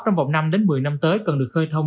trong vòng năm một mươi năm tới cần được khơi thông